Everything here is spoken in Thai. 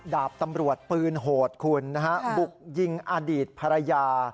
ดาบตำรวจปืนโหดคุณนะฮะบุกยิงอดีตภรรยา